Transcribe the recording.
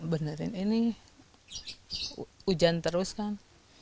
benerin ini hujan terus kan